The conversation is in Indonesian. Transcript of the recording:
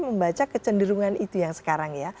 kita membaca ke cenderungan itu yang sekarang ya